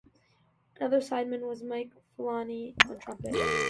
Another sideman was Mike Falana on trumpet.